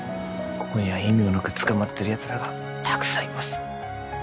ここには意味もなく捕まってるやつらがたくさんいます